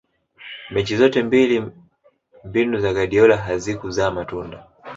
mechi zote mbili mbinu za guardiola hazikuzaa matunda